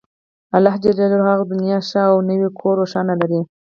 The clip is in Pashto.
الله ﷻ دې يې هغه دنيا ښه او نوی کور روښانه لري